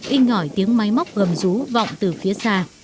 in ngỏi tiếng máy móc gầm rú vọng từ phía xa